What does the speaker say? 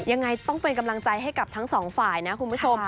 ยังไงต้องเป็นกำลังใจให้กับทั้งสองฝ่ายนะคุณผู้ชม